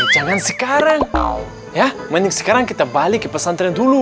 jangan sekarang ya mending sekarang kita balik ke pesantren dulu